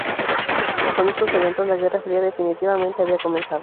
Con estos eventos, la Guerra Fría definitivamente había comenzado.